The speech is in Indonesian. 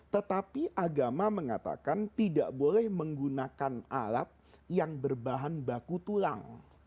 tetapi agama mengatakan tidak boleh menggunakan alat yang berbahan baku tulang